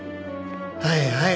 「はいはい。